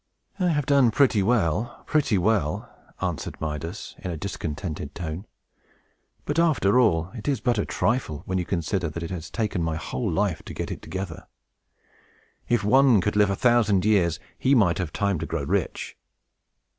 "I have done pretty well, pretty well," answered Midas, in a discontented tone. "But, after all, it is but a trifle, when you consider that it has taken me my whole life to get it together. If one could live a thousand years, he might have time to grow rich!"